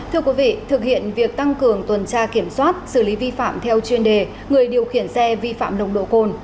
thưa quý vị thực hiện việc tăng cường tuần tra kiểm soát xử lý vi phạm theo chuyên đề người điều khiển xe vi phạm nồng độ cồn